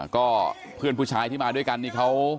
ก็เพื่อนผู้ชายที่มาด้วยกันนี่เขา